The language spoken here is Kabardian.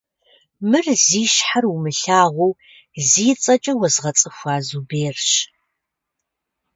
Мыр зи щхьэр умылъагъуу зи цӏэкӏэ уэзгъэцӏыхуа Зуберщ.